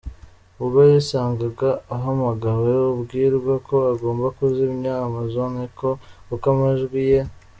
ubwo yisangaga ahamagawe abwirwa ko agomba kuzimya Amazon Echo kuko amajwi ye